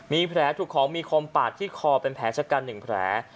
มีแผลถูกของมีคมปาดที่คอเป็นแผลชะกัน๑แผล